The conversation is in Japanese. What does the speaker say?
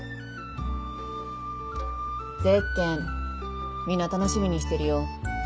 ゼッケンみんな楽しみにしてるよ。